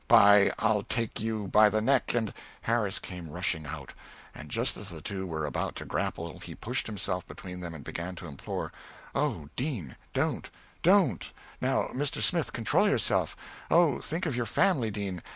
By , I'll take you by the neck and " Harris came rushing out, and just as the two were about to grapple he pushed himself between them and began to implore "Oh, Dean, don't, don't now, Mr. Smith, control yourself! Oh, think of your family, Dean!